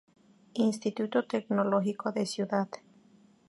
Instituto Tecnológico de Cd.